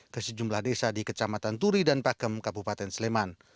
ke sejumlah desa di kecamatan turi dan pakem kabupaten sleman